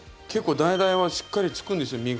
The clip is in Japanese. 結構ダイダイはしっかりつくんですよ